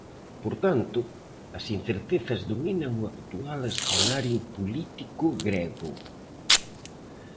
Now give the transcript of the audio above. Por tanto, as incertezas dominan o actual escenario político grego.